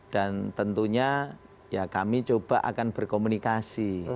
tentunya ya kami coba akan berkomunikasi